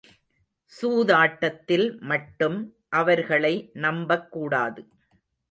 சூதாட்டத்தில் மட்டும் அவர்களை நம்பக்கூடாது.